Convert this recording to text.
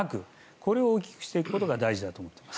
これを大きくしていくことが大事だと思っています。